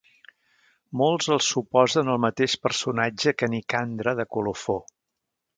Molts el suposen el mateix personatge que Nicandre de Colofó.